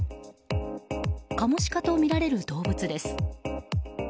カモシカとみられる動物です。